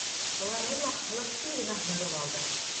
Уларҙы ла халыҡ тиҙ генә һырып алды.